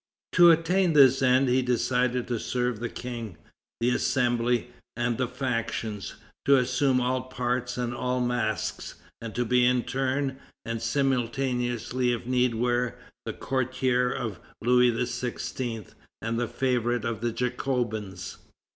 To attain this end he decided to serve the King, the Assembly, and the factions; to assume all parts and all masks, and to be in turn, and simultaneously if need were, the courtier of Louis XVI. and the favorite of the Jacobins.